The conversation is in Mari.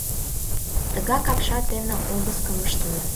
Тыгак апшат дене обыскым ыштыме.